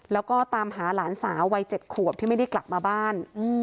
แล้วก็ตามหาหลานสาววัย๗ขวบที่ไม่ได้กลับมาบ้าน